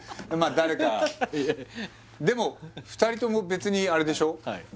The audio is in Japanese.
誰かでも２人とも別にあれでしょ？